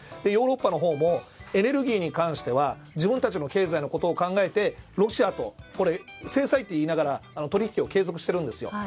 ヨーロッパのほうもエネルギーに関しては自分たちの経済のことを考えてロシアと制裁といいながら取引を継続しているんですよ。